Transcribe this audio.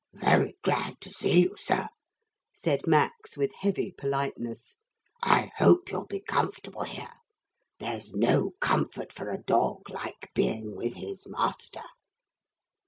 'Very glad to see you, sir,' said Max with heavy politeness. 'I hope you'll be comfortable here. There's no comfort for a dog like being with his master.'